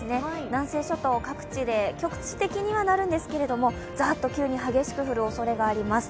南西諸島各地で、局地的にはなるんですけれどもザッと急に激しく降るおそれがあります。